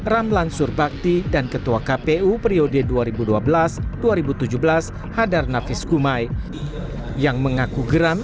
dua ribu empat dua ribu dua puluh tujuh ramlan surbakti dan ketua kpu priodya dua ribu dua belas dua ribu tujuh belas hadar nafis kumai yang mengaku geram